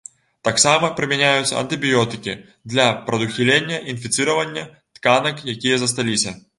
Таксама прымяняюцца антыбіётыкі для прадухілення інфіцыравання тканак, якія засталіся.